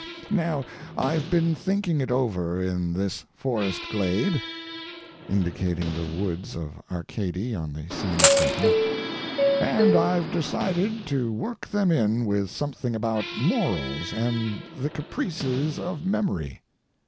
Now, I've been thinking it over in this forest glade [indicating the woods of Arcady on the scene setting], and I've decided to work them in with something about morals and the caprices of memory.